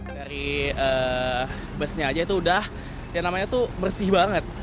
dari busnya aja itu udah yang namanya tuh bersih banget